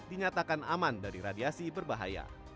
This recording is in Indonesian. dinyatakan aman dari radiasi berbahaya